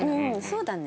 そうだね。